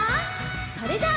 それじゃあ。